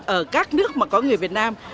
ở các nước mà có người việt nam